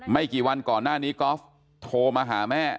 ไม่กี่วันก่อนหน้านี้กอล์ฟโทรมาหาแม่